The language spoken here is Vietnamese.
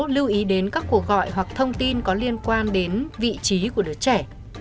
lưu ý đến các cuộc gọi hoặc thông tin có liên quan đến vị trí của đứa trẻ